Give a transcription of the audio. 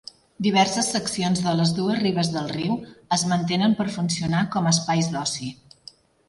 Diverses seccions de les dues ribes del riu es mantenen per funcionar com a espais d'oci.